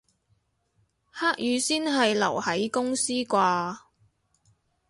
黑雨先係留喺公司啩